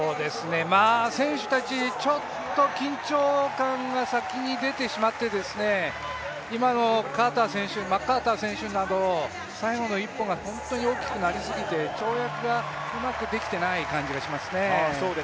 選手たち、ちょっと緊張感が先に出てしまってですね、今のマッカーター選手など、最後の１本が本当に大きくなりすぎて、跳躍がうまくできていない気がしますね。